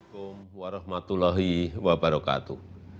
assalamu'alaikum warahmatullahi wabarakatuh